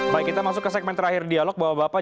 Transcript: baik kita masuk ke segmen terakhir dialog bapak bapak